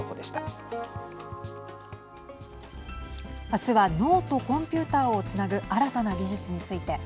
あすは脳とコンピューターをつなぐ新たな技術について。